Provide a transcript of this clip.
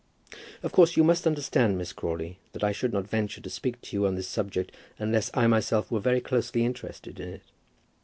"Of course you must understand, Miss Crawley, that I should not venture to speak to you on this subject unless I myself were very closely interested in it."